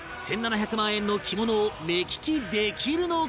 １７００万円の着物を目利きできるのか？